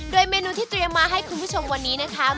โดยเมนูที่เตรียมมาให้คุณผู้ชมวันนี้นะคะ